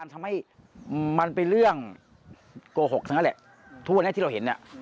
ทำให้มันเป็นเรื่องโกหกทั้งนั้นแหละทุกวันนี้ที่เราเห็นเนี่ย